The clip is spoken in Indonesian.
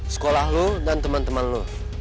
sekolah lo dan teman teman lo